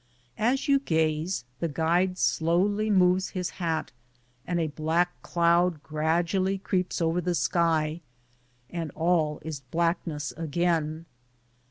As you gaze, the guide slowly moves his hat, and a black cloud gradually creeps over the sky, and all is blackness again.